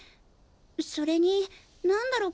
それに何だろ？